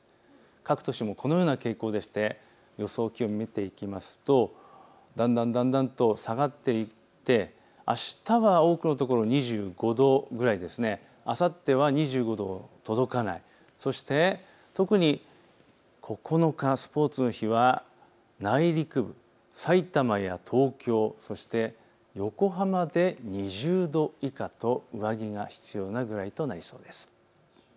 各都市もこのような傾向でして予想気温を見ていきますとだんだんと下がっていってあしたは多くの所２５度ぐらいであさっては２５度に届かない、そして特に９日、スポーツの日は内陸部、埼玉や東京、そして横浜で２０度以下と、上着が必要になりそうです。